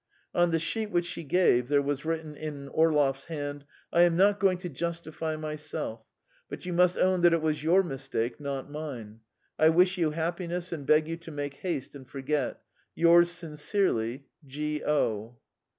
On the sheet which she gave there was written in Orlov's hand: "I am not going to justify myself. But you must own that it was your mistake, not mine. I wish you happiness, and beg you to make haste and forget. "Yours sincerely, "G. O.